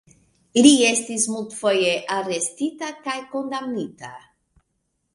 Li estis multfoje arestita kaj kondamnita.